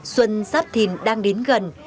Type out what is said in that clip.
xuân giáp thìn đang đến gần